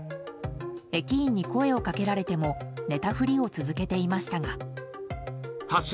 駅員に声をかけられても寝たふりを続けていましたが。